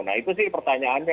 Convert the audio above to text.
nah itu sih pertanyaannya